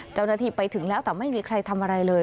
เจ้าหน้าที่ไปถึงแล้วแต่ไม่มีใครทำอะไรเลย